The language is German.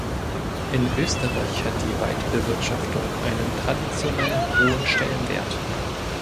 In Österreich hat die Waldbewirtschaftung einen traditionell hohen Stellenwert.